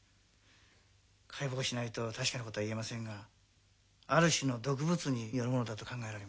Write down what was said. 解剖しないと確かなことは言えませんがある種の毒物によるものだと考えられます。